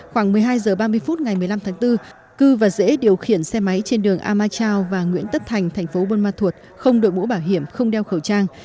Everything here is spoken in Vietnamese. khoảng một mươi hai h ba mươi phút ngày một mươi năm tháng bốn cư và dễ điều khiển xe máy trên đường amachao và nguyễn tất thành thành phố buôn ma thuột không đội mũ bảo hiểm không đeo khẩu trang